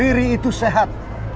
riri itu sehat